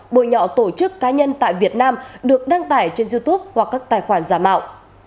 bồi nhọ tổ chức cá nhân tại việt nam được đăng tải trên youtube hoặc các tài khoản giả mạo